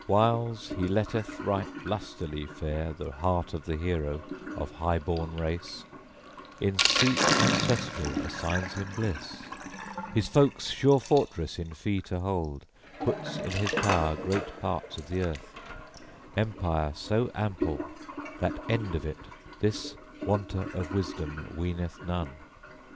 Whiles He letteth right lustily fare the heart of the hero of high born race, in seat ancestral assigns him bliss, his folk's sure fortress in fee to hold, puts in his power great parts of the earth, empire so ample, that end of it this wanter of wisdom weeneth none.